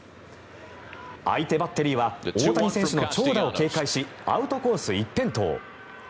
相手バッテリーは大谷選手の長打を警戒しアウトコース一辺倒。